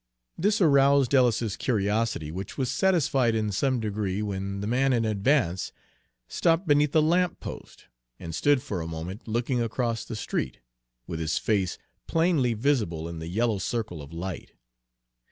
This aroused Ellis's curiosity, which was satisfied in some degree when the man in advance stopped beneath a lamp post and stood for a moment looking across the street, with his face plainly visible in the yellow circle of light.